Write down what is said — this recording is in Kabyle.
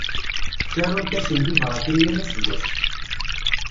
Ttarunt-asen tibratin yal aseggas.